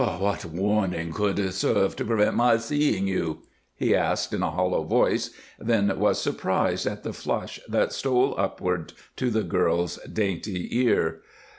"What warning could serve to prevent my seeing you?" he asked in a hollow voice; then was surprised at the flush that stole upward to the girl's dainty ear.